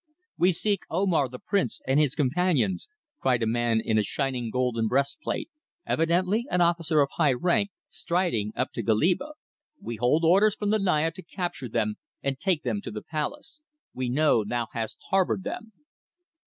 "We seek Omar, the prince, and his companions," cried a man in a shining golden breastplate, evidently an officer of high rank, striding up to Goliba. "We hold orders from the Naya to capture them, and take them to the palace. We know thou hast harboured them."